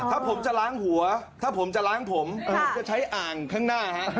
ถ้าผมจะล้างหัวถ้าผมจะล้างผมผมจะใช้อ่างข้างหน้าฮะ